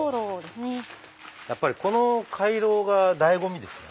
やっぱりこの回廊が醍醐味ですよね。